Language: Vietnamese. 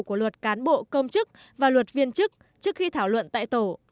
của luật cán bộ công chức và luật viên chức trước khi thảo luận tại tổ